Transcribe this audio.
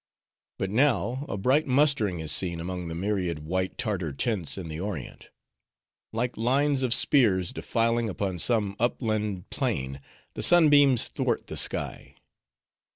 But now, a bright mustering is seen among the myriad white Tartar tents in the Orient; like lines of spears defiling upon some upland plain, the sunbeams thwart the sky.